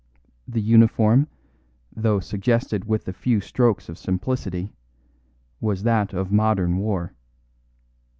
The uniform, though suggested with the few strokes of simplicity, was that of modern war.